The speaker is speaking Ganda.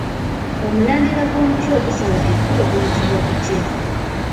Omulandira gw’omuti ogusala ekkubo guyitibwa gutya?